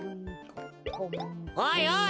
おいおい！